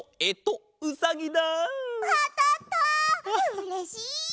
うれしい！